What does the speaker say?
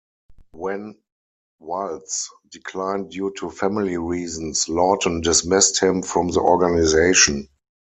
When Walz declined due to family reasons, Lawton dismissed him from the organization.